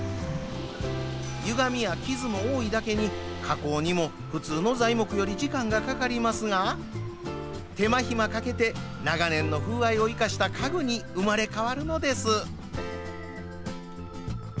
ゆがみや傷も多いだけに加工にも普通の材木より時間がかかりますが手間暇かけて長年の風合いを生かした家具に生まれ変わるのです。